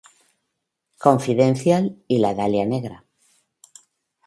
Confidential" y "La Dalia Negra".